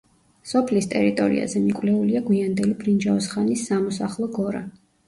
სოფლის ტერიტორიაზე მიკვლეულია გვიანდელი ბრინჯაოს ხანის სამოსახლო გორა.